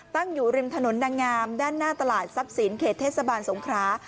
ตั้งอยู่ริมถนนดังงามด้านหน้าตลาดซับศีลเขตเทศบาลสงขา